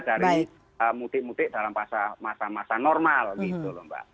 dari mutik mutik dalam masa masa normal gitu lho mbak